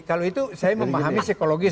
kalau itu saya memahami psikologis